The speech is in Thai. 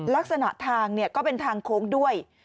ลักษณะทางก็เป็นทางโค้งด้วย